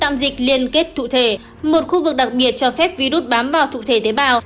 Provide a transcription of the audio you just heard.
một khu vực đặc biệt cho phép virus bám vào thụ thể tế bào